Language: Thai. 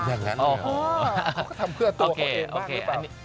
อย่างนั้นเขาก็ทำเพื่อตัวเขาเองบ้างหรือเปล่า